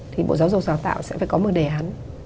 thì bộ giáo dục đào tạo sẽ phải có một đề án